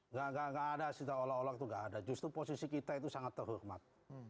nggak ada tidak ada justru posisi kita itu sangat terhormat